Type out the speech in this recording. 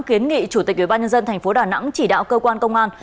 kiến nghị chủ tịch ubnd thành phố đà nẵng chỉ đạo cơ quan công an